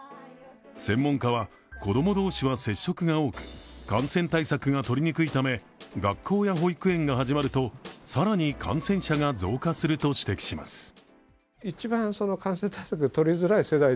専門家は、子供同士は接触が多く感染対策がとりにくいため学校や保育園が始まると更に感染者が増加すると指摘します。